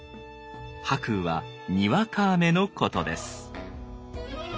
「白雨」はにわか雨のことです。